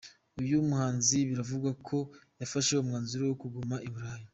Uyu muhanzi biravugwa ko yafashe umwanzuro wo kuguma i Burayi.